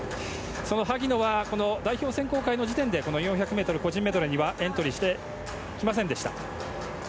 その萩野は、代表選考会の時点で４００ｍ個人メドレーにはエントリーしてきませんでした。